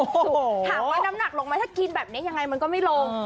ถามว่าน้ำหนักลงไหมถ้ากินแบบนี้ยังไงมันก็ไม่ลง